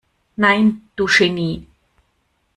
Nein, du Genie!